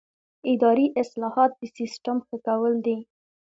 اداري اصلاحات د سیسټم ښه کول دي